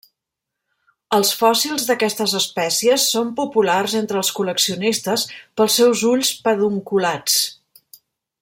Els fòssils d'aquestes espècies són populars entre els col·leccionistes pels seus ulls pedunculats.